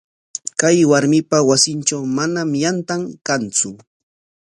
Kay warmipa wasintraw manam yantan kantsu.